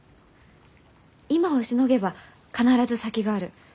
今をしのげば必ず先がある。